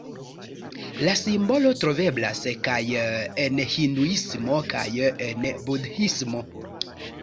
La simbolo troveblas kaj en hinduismo kaj en budhismo.